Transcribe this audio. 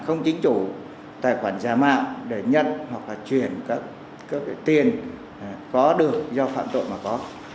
không chính chủ tài khoản giả mạo để nhận hoặc là chuyển các tiền có được do phạm tội mà có